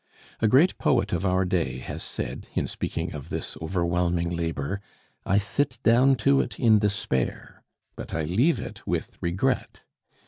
A great poet of our day has said in speaking of this overwhelming labor, "I sit down to it in despair, but I leave it with regret."